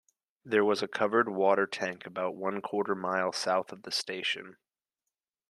There was a covered water tank about one-quarter mile south of the station.